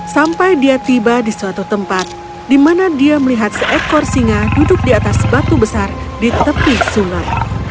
sampai dia tiba di suatu tempat di mana dia melihat seekor singa duduk di atas batu besar di tepi sungai